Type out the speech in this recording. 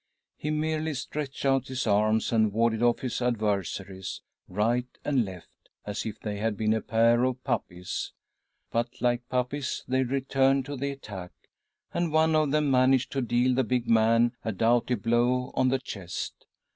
He merely stretched out his arms and warded off his adver saries right and left; as if they had been a pair of puppies. But, like puppies, they returned to the attack, and one of them managed to deal the big man a doughty blow on the chest.